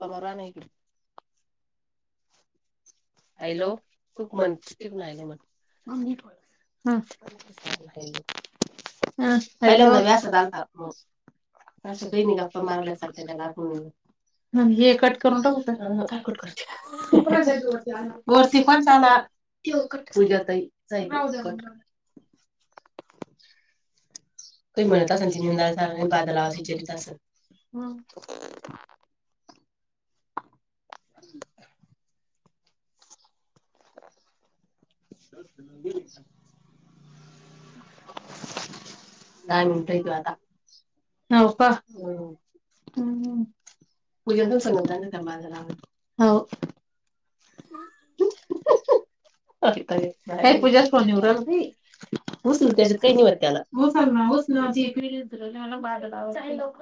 परवा नाही केली. [unintelligible] हम्म. पहिल्यावेळी असंच आलता, मंग. असं काही नाही, गप्पा मारायला चालतंय त्याला आपण. हे कट करून टाकु का? काय कट करती का? वोरती कशाला? त्यो कट. पूजा ताई त्यो कट. काही म्हणत असन, तिनं निंदाय बादला विचारत असन, हम्म. [unintelligible] काय म्हणतोय तो आता? हाव का. व्हय. कोण नाहीत. पूजेंद्र समुदाय कर माझं नावं. हाव. [inaudible] [unintelligible]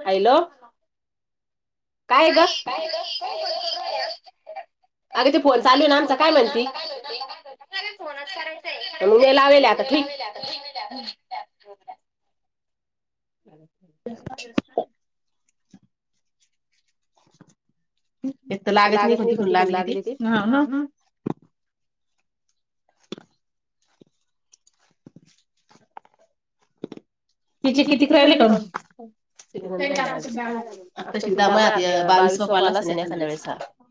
आईलो. काय गं? अग ते, फोन चालू ना, आमचं काय म्हणती? उद्या लावेल आता, ठीक. [unintelligible] [unintelligible] [inaudible] एक तर लागत नाही कोणती, कोण लागलेती. हा ना. [inaudible] तिची किती खय न का. आता सिधा म अ, य बावीसव कॉल असलं एखांद वेळेस.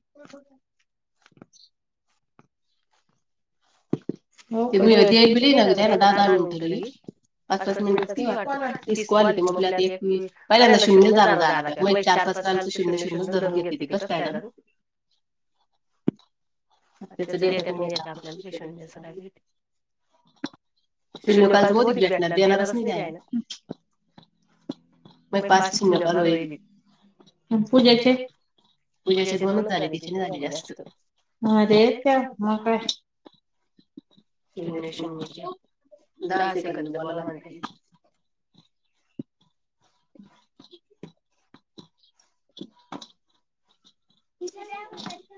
[unintelligible] [inaudible] [unintelligible] [unintelligible] [unintelligible] [unintelligible] शून्य कालच भौतिक भेटणार, देणारच नाही दया ना. [unintelligible] पूजेचे दोनच झाले तिचे नाही झाले, जास्त रेच त्या म काय? [unintelligible] दहा सेंकद बोला म्हणून [unintelligible] [inaudible]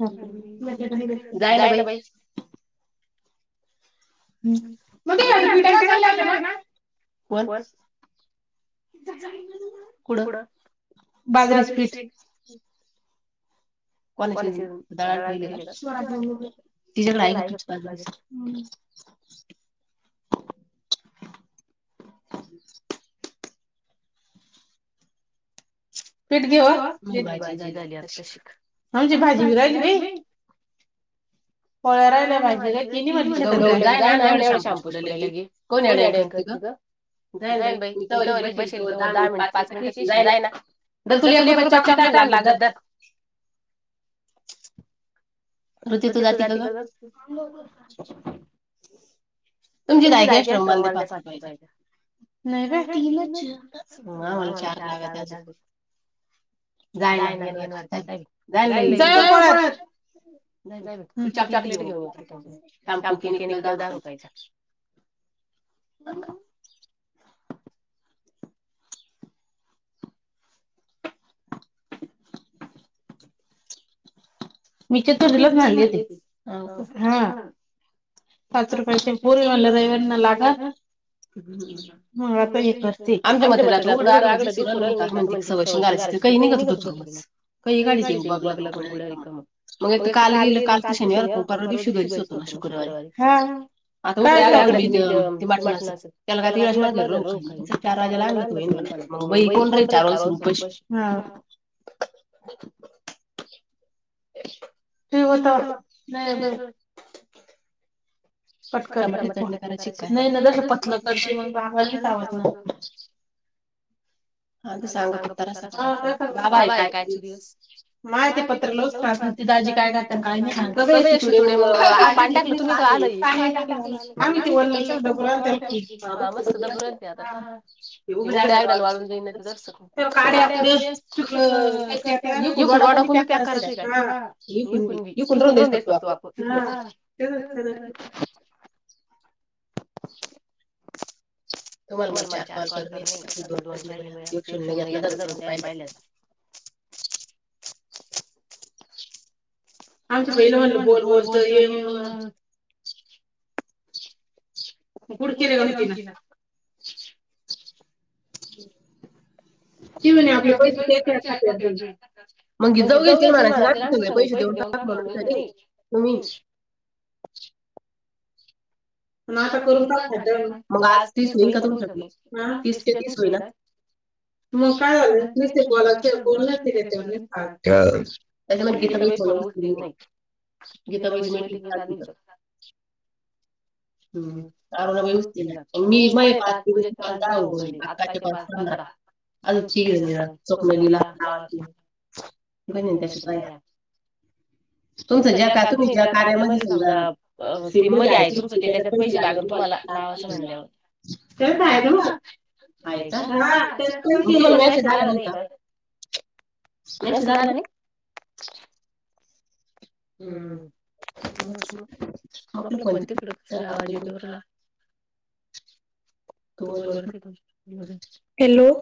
जाय ना बाई, [inaudible] [inaudible] [inaudible] हम् पीठ घेवा, भाजी झाली आताशी, आमची भाजी बी राहिली बाई, पोळ्या राहिला भाजी राहिली [unintelligible] कुठं आहे बाई, मी [inaudible] बसिल तोवर दहा मिनिट पाच मिनिटात येशील जायला. धर तुला एक रूपयाच चॉकलेट आणि धर, मग तिथे जाती का ग तुमची [inaudible] असल्यावर मला द्या पाच रुपयाचा. नाही ग तीनच नाय मला चार लागते अजून जायना [unintelligible] [inaudible] नाही बघ ते चॉकलेट घेऊ, आपण त्याचे शॅम्पू क्लिनिक प्लस दहा रुपयाचा. [inaudible] मी तर [inaudible] आणले होते, होका, हां. पाच रुपयाचे, पोरी म्हणल्या [unintelligible] मला का? हम्म हा आता हे करते आमच्या म्हणतील आता उघडं आघडं दिसु राहीलं नाही का म्हणतील. [inaudible] [unintelligible] काही निघत होतो इतरूनच, काही गाडीत येऊ बगळा तो पुढं आहे का? मग एक तर काल गेलं काल तर शनिवार होता, परवा दिवशी घरीच होतो ना शुक्रवारी हां. आता [unintelligible] ते मटणाचं त्याला रात्री चार वाजला आणलं तो [unintelligible] मग बाई कोण राही चार पासून उपाशी हां. ठेव आता नाही ब पटकळ म ती चटणी करायची काय नाही ना जस पतलं करते मग आम्हाला नाही चावत ना. [inaudible] हा ते सांगापुरता असत हा बाई काही तरीच. माहिती पत्र रोज पाठवते दाजी काय करताना काही नाही [unintelligible] [inaudible] हे टाकलं आम्ही, आम्ही ते [unintelligible] [inaudible] हा मस्त [inaudible] हा. ते उघड्या अंगाने वाळवलेली तर काड्या कुड [inaudible] हे कोडु कोणी पॅक करायचंय का? हां ही कुण बी ह्यो कोणी [inaudible] हां तसंच करायचं [inaudible] तुम्हाला मग चार पाच कर नाही दोन [unintelligible] एक शून्य घेतलं [unintelligible] [inaudible] आमच पहिलं म्हणलं बोल बोलत येऊन मग कुड [unintelligible] [inaudible] [inaudible] ती म्हणे आपली पोरगी [unintelligible] मग जाऊ गेलती ना [inaudible] पैसे देऊन. टाक म्हणून तरी कुणी. पण आता करून काय फायदा आहे, मग आज तीस होईन का तुमच्या कडून हां तीस के तीस होईना? मग काय झालं मीच ते बोलायचं बोलून नाही देत. [unintelligible] त्याच्या. [unintelligible] [inaudible] हम अरुणा बाई होतीना मी माझे पाच दिवस. [unintelligible] [inaudible] [unintelligible] [inaudible] बनविण. [inaudible] तुमच ज्या का तुम्ही ज्या कार्यामध्ये समजा अह ती मध्ये आहे तुमच ते त्याच्यात पैसे लागल तुम्हाला लावं अस म्हणल्यावर, त्याच्यात आहेत बघ आहे का? मग तुम्हाला मेसेज आला नाही का? मेसेज आलाय. [inaudible] हम्म [inaudible] मग आपलं पण तिकडं कसं का [inaudible] [inaudible] तू बोल वरती थांब, हॅलो.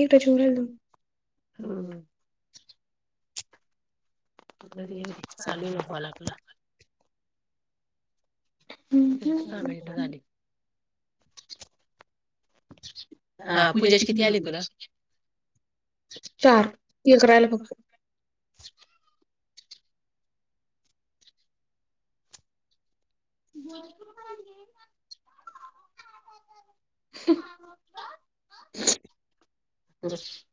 [inaudible] म ती हे होती सालिना फोळकला [inaudible] हा पूजेश किती आले तुला? चार हे करायला फक्त. बोलू. अच्.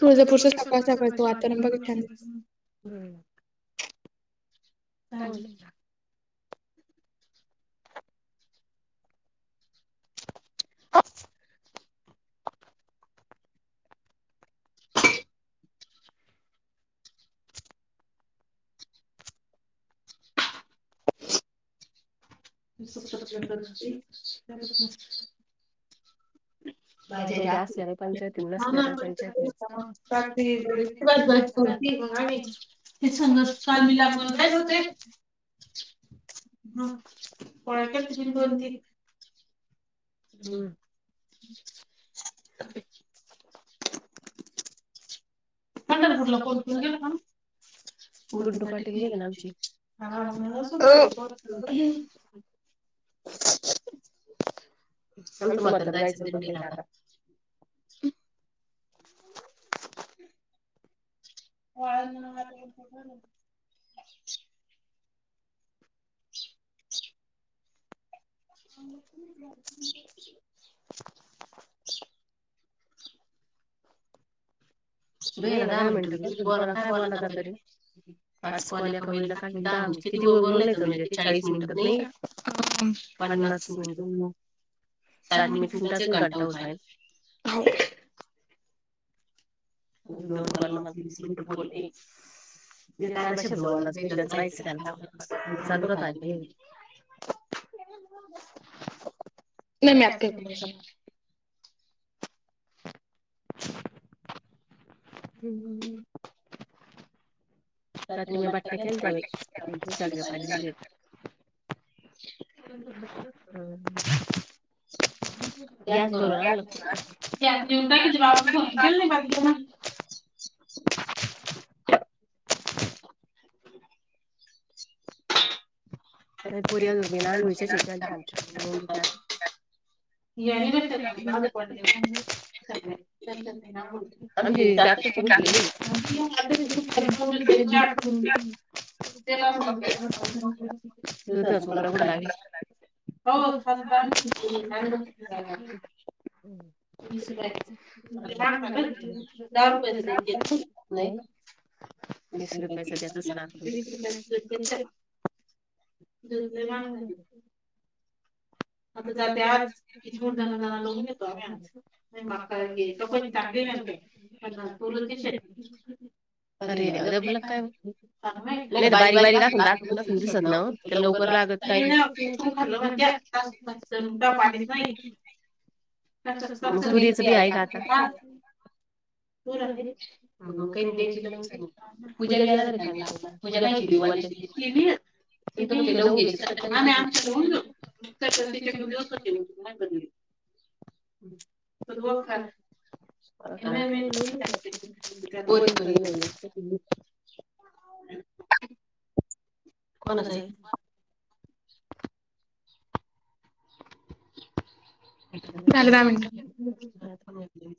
तुळजापूरच सकाळ सकाळचं वाताण. का. बाजे. ती ते सग सलमीलागून जायच होते. ह पळ कतीन कोती. हम्म. पंढरपूरला फोन करून गेला ना. उर्तीची ह. आमचं मत जायचं दिंडीला आता. वाळून मला. बेला दहा मिनटं त बोला काय बोला तरी. पाचक आल्या का वेला का कि द म्हणजे किती वर नाही तर म्हणजे ते चाळीस मिनिटात नाही. पन्नास मिनिट सठ मि एक घंटा होत आहे. हो. ब. मी काय ना शब्दला रायचं काां. नाही मी आल्या स. हम् हम. रात्री म भट्टे खेलते भा पा. हम्. गॅस बरोर आणगत गॅस. प पुरी्या मी नागोळीच्या शेतात [unintelligible] याने का शेतात [unintelligible] आी दात शगू [unintelligible] चा करून दि त्याला [unintelligible] दधच उकडा उड लावी [unintelligible] [unintelligible] वीस रुपयाच दूध [unintelligible] भे दहा रुपयाच दूध वीस रुपय असल तर दे दुसर आणतो [unintelligible] दूध लई महाग आहे. आता जात आज किचमुूड जना जना लावून येतो आम्ही आज माग घ पण चांगली नाहीते पन्नास पूरती श अरे अ आपल्यालाय सांग बारीक बारीक [unintelligible] ना लवकर ला नाही न भरलं म्हणते [unintelligible] पाणीच नाही. [unintelligible] कोण आलंय [unintelligible] पूजारी आला ना टाईम ला आपला. पूजा करायची देवा [unintelligible] तसं तिच्याकडून दिवसभर केली [unintelligible] सुुधू वखर नाही मी लाऊन देऊ का आता पोरीच [unintelligible] [unintelligible] कोणचा हाय? [unintelligible] हम्.